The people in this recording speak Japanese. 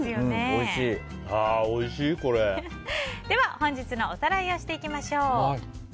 では本日のおさらいをしていきましょう。